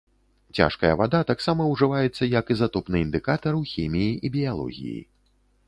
Цяжкая вада таксама ўжываецца як ізатопны індыкатар у хіміі і біялогіі.